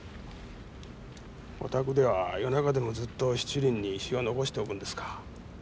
お宅では夜中でもずっと七輪に火を残しておくんですか？